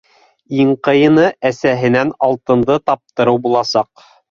Иң ҡыйыны әсәһенән алтынды таптырыу буласаҡ.